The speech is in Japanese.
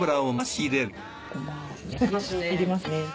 入りますね。